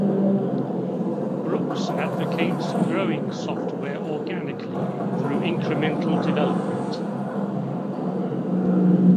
Brooks advocates "growing" software organically through incremental development.